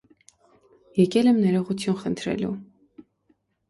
Եկել եմ ներողություն խնդրելու: